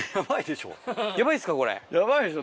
ヤバいでしょ。